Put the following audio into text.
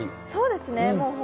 そうですね。